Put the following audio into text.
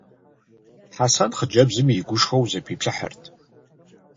Хьэсэн хъыджэбзым иригушхуэу зэпиплъыхьырт.